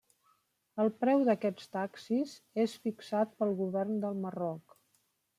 El preu d'aquests taxis és fixat pel Govern del Marroc.